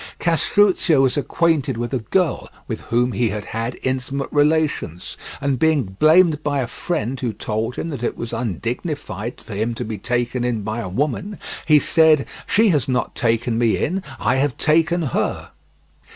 Castruccio was acquainted with a girl with whom he had intimate relations, and being blamed by a friend who told him that it was undignified for him to be taken in by a woman, he said: "She has not taken me in, I have taken her."